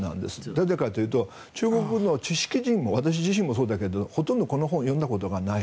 なぜかというと、中国の知識人私自身もそうですがほとんどこの本を読んだことがない。